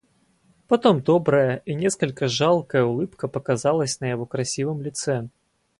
Потом добрая и несколько жалкая улыбка показалась на его красивом лице.